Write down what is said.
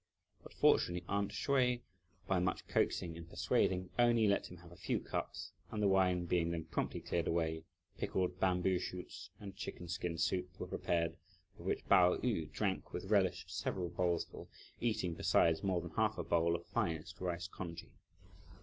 But fortunately "aunt" Hsüeh, by much coaxing and persuading, only let him have a few cups, and the wine being then promptly cleared away, pickled bamboo shoots and chicken skin soup were prepared, of which Pao yü drank with relish several bowls full, eating besides more than half a bowl of finest rice congee.